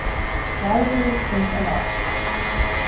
Zweifel sind erlaubt.